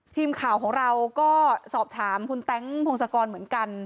ทีมข่าวของเราก็สอบถามคุณแต๊งพงศกรเหมือนกัน